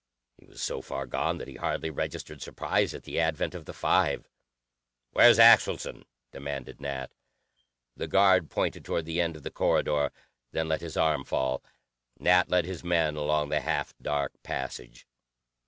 He was so far gone that he hardly registered surprise at the advent of the five. "Where's Axelson?" demanded Nat. The guard pointed toward the end of the corridor, then let his arm fall. Nat led his men along the half dark passage.